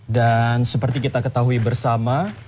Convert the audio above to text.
dan seperti kita ketahui bersama